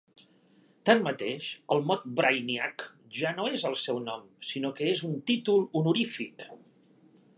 Tanmateix, el mot "Brainiac" ja no és el seu nom, sinó que és un títol honorífic.